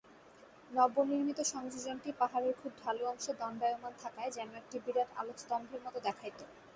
নবনির্মিত সংযোজনটি পাহাড়ের খুব ঢালু অংশে দণ্ডায়মান থাকায় যেন একটি বিরাট আলোকস্তম্ভের মত দেখাইত।